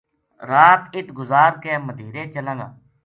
رات اِت گزار کے مدیہرے چلاں گا ‘‘